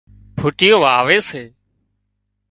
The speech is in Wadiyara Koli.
ڦُٽيون واوي سي